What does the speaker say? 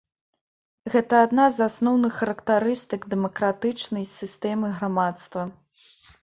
Гэта адна з асноўных характарыстык дэмакратычнай сістэмы грамадства.